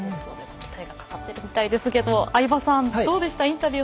期待がかかってるみたいですけど相葉さんどうでした？